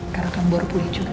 karena kamu baru pulih juga